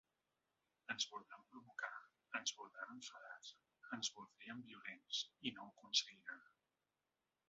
Ens voldran provocar, ens voldran enfadats, ens voldrien violents, i no ho aconseguiran.